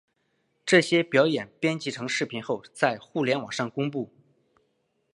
这些表演编辑成视频后在互联网上公布。